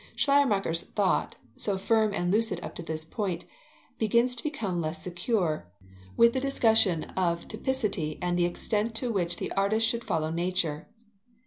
Schleiermacher's thought, so firm and lucid up to this point, begins to become less secure, with the discussion of typicity and of the extent to which the artist should follow Nature.